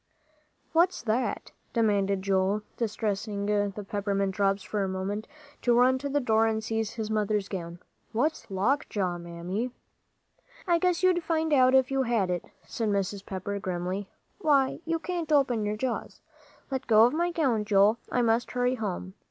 "What's that?" demanded Joel, deserting the peppermint drops for a minute to run to the door and seize his mother's gown. "What's lockjaw, Mammy?" "I guess you'd find out if you had it," said Mrs. Pepper, grimly. "Why, you can't open your jaws. Let go of my gown, Joel. I must hurry home."